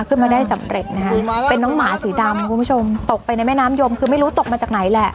ขึ้นมาได้สำเร็จนะฮะเป็นน้องหมาสีดำคุณผู้ชมตกไปในแม่น้ำยมคือไม่รู้ตกมาจากไหนแหละ